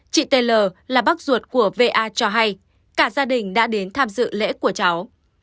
chị t l là bác ruột của v a cho hay cả gia đình đã đến tham dự lễ của cháu